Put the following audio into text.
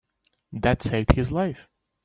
That saved his life.